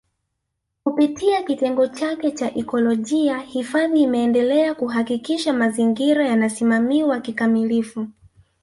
Kupitia kitengo chake cha ikolojia hifadhi imeendelea kuhakikisha mazingira yanasimamiwa kikamilifu